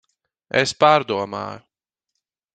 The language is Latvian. Es pārdomāju.